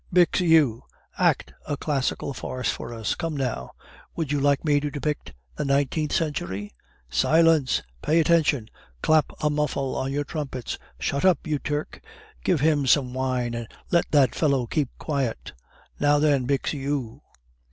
"Bixiou! Act a classical farce for us! Come now." "Would you like me to depict the nineteenth century?" "Silence." "Pay attention." "Clap a muffle on your trumpets." "Shut up, you Turk!" "Give him some wine, and let that fellow keep quiet." "Now, then, Bixiou!"